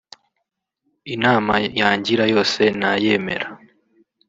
inama yangira yose nayemera